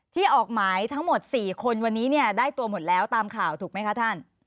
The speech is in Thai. ที่ออกหมายทั้งหมด๔คนวันนี้เนี่ยได้ตัวหมดแล้วตามข่าวถูกไหมคะท่าน